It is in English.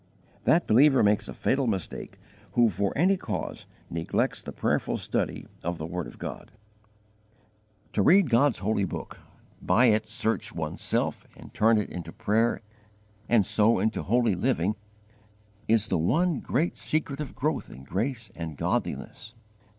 That believer makes a fatal mistake who for any cause neglects the prayerful study of the word of God. To read God's holy book, by it search one's self, and turn it into prayer and so into holy living, is the one great secret of growth in grace and godliness.